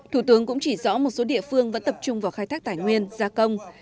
thủ tướng cũng chỉ rõ một số địa phương vẫn tập trung vào khai thác tài nguyên gia công